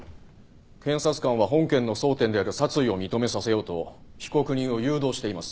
検察官は本件の争点である殺意を認めさせようと被告人を誘導しています。